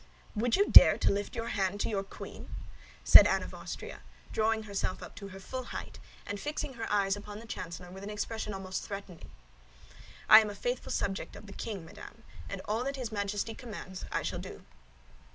"Would you dare to lift your hand to your queen?" said Anne of Austria, drawing herself up to her full height, and fixing her eyes upon the chancellor with an expression almost threatening. "I am a faithful subject of the king, madame, and all that his Majesty commands I shall do."